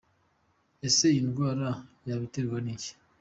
Ese iyi ndwara yaba iterwa n’iki?.